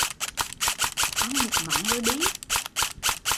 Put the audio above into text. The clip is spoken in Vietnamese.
Ăn một móng rồi đi